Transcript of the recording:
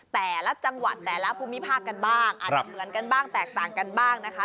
แต่ละจังหวัดแต่ละภูมิภาคกันบ้างอาจจะเหมือนกันบ้างแตกต่างกันบ้างนะคะ